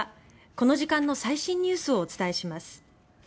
この時間の最新ニュースをお伝えします。